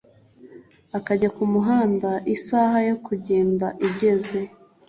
akajya ku muhanda isaha yo kugenda igeze